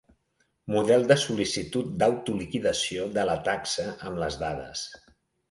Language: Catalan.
Model de sol·licitud d'autoliquidació de la taxa amb les dades.